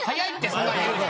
そんなん言うの。